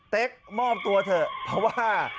มอบตัวเถอะเพราะว่า